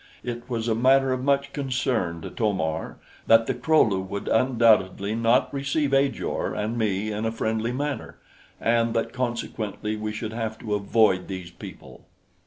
It was a matter of much concern to To mar that the Kro lu would undoubtedly not receive Ajor and me in a friendly manner, and that consequently we should have to avoid these people.